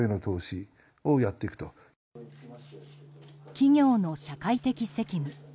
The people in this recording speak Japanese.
企業の社会的責務。